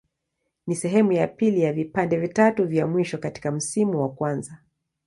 Ni sehemu ya pili ya vipande vitatu vya mwisho katika msimu wa kwanza.